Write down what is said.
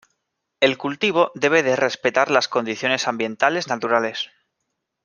El cultivo debe de respetar las condiciones ambientales naturales.